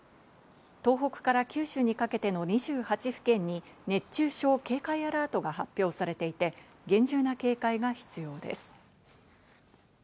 東北から九州にかけての２８府県に熱中症警戒アラートが発表されていて、厳重な警戒が必要です。